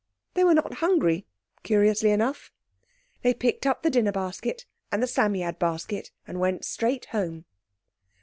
They were not hungry, curiously enough. They picked up the dinner basket and the Psammead basket, and went straight home.